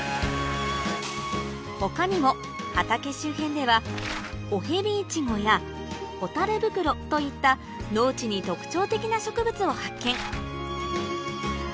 他にも畑周辺ではオヘビイチゴやホタルブクロといった農地に特徴的な植物を発見